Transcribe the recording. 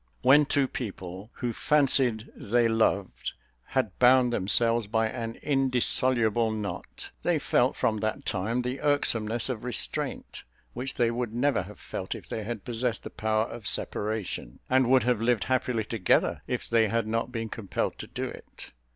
When two people, who fancied they loved, had bound themselves by an indissoluble knot, they felt from that time the irksomeness of restraint, which they would never have felt if they had possessed the power of separation; and would have lived happily together if they had not been compelled to do it.